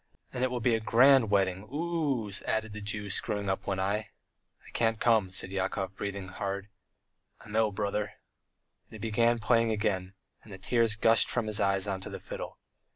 ... And it will be a grand wedding, oo oo!" added the Jew, screwing up one eye. "I can't come," said Yakov, breathing hard. "I'm ill, brother." And he began playing again, and the tears gushed from his eyes on to the fiddle.